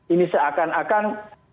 ini seakan akan menyumbang tantangan